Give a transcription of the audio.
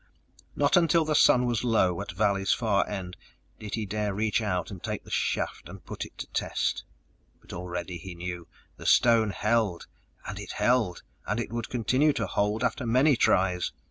Not until the sun was low, at valley's Far End, did he dare reach out and take his shaft and put it to test. But already he knew! The stone held, and it held, and would continue to hold after many tries.